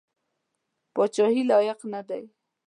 پاچهي لایق نه دی.